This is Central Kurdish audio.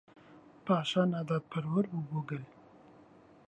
پاشا ناداپەروەر بوو بۆ گەل.